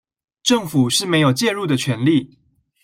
政府是沒有介入的權利